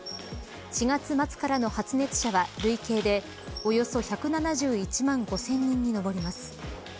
４月末からの発熱者は累計でおよそ１７１万５０００人に上ります。